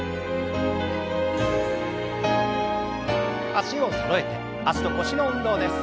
脚をそろえて脚と腰の運動です。